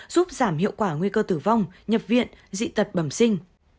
giúp giảm hiệu quả nguy cơ tử vong nhập viện dị tật bẩm sinh